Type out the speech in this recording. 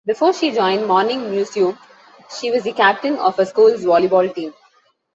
Before she joined Morning Musume, she was the captain of her school's volleyball team.